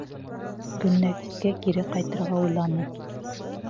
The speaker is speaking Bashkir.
Гөлнәфискә кире ҡайтырға уйланы.